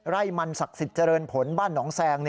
ไร่มันศักดิ์สิทธิ์เจริญผลบ้านหนองแซง